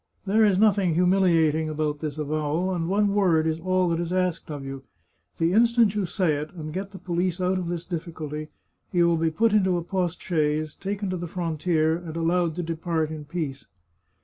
There is nothing humiliating about this avowal, and one word is all that is asked of you. The instant you say it, and get the police out of this difficulty, you will be put into a post chaise, taken to the frontier, and allowed to depart in peace."